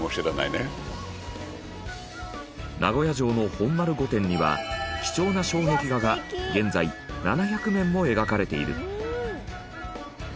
名古屋城の本丸御殿には貴重な障壁画が現在７００面も描かれている。